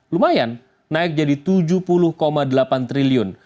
lumayan naik jadi tujuh puluh delapan triliun